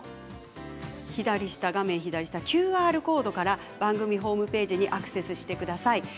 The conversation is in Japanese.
画面左下のＱＲコードから番組ホームページにアクセスしてください。